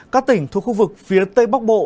các tỉnh thuộc khu vực phía tây bắc bộ